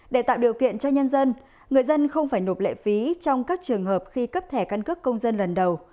để tạo điều kiện cho nhân dân người dân không phải nộp lệ phí trong các trường hợp khi cấp thẻ căn cước công dân lần đầu